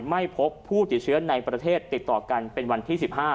ไม่พบผู้ติดเชื้อในประเทศติดต่อกันเป็นวันที่๑๕